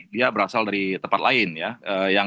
dia berasal dari tempat lain ya